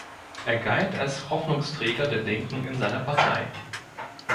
Er galt als Hoffnungsträger der Linken in seiner Partei.